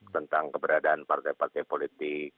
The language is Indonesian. tentang keberadaan partai partai politik